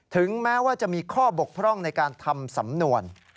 ถึงแม้ว่าจะมีข้อบกพร่องในการทำสำนวน